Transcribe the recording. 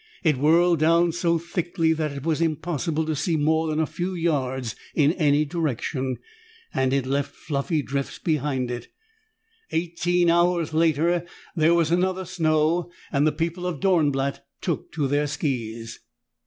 It whirled down so thickly that it was impossible to see more than a few yards in any direction, and it left fluffy drifts behind it. Eighteen hours later, there was another snow and the people of Dornblatt took to their skis.